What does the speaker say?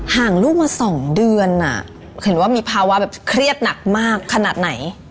งลูกมา๒เดือนเห็นว่ามีภาวะแบบเครียดหนักมากขนาดไหน